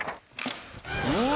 うわ！